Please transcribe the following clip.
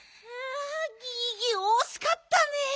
ギギおしかったねえ。